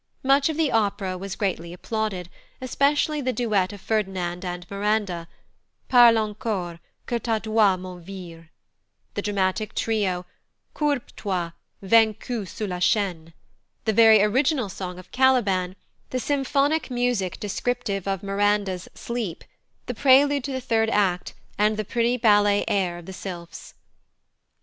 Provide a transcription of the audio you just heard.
Much of the opera was greatly applauded, especially the duet of Ferdinand and Miranda, "Parle encore, que ta voix m'enivre," the dramatic trio, "Courbe toi, vaincu sous la chaîne," the very original song of Caliban, the symphonic music descriptive of Miranda's sleep, the prelude to the third act, and the pretty ballet air of the Sylphs.